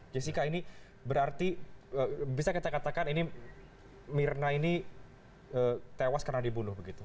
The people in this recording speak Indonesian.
jessica ini berarti bisa kita katakan ini mirna ini tewas karena dibunuh begitu